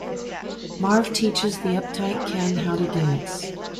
Marv teaches the uptight Ken how to dance.